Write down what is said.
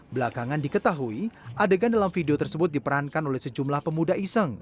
belakangan diketahui adegan dalam video tersebut diperankan oleh sejumlah pemuda iseng